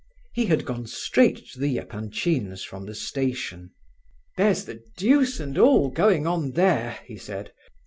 He had gone straight to the Epanchins' from the station. "There's the deuce and all going on there!" he said.